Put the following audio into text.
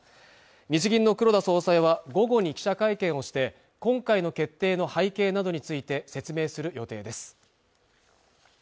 日銀の黒田総裁は午後に記者会見をして今回の決定の背景などについて説明する予定です